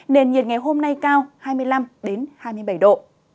nền nhiệt ngày hôm nay cao hai mươi năm hai mươi bảy độ